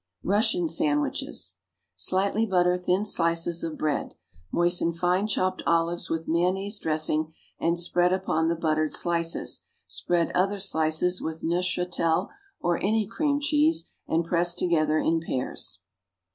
=Russian Sandwiches.= Slightly butter thin slices of bread; moisten fine chopped olives with mayonnaise dressing and spread upon the buttered slices; spread other slices with Neufchatel, or any cream cheese, and press together in pairs.